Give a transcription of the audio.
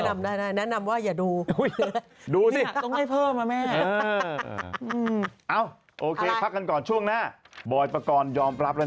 อ้อวแม่ใช่หนูขอแนะนำคุณกัญชัยกะเนิดพลอย